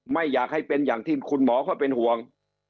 ไม่อยากให้เป็นอย่างที่คุณหมอเขาเป็นห่วง